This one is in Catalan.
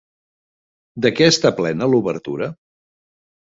De què està plena l'obertura?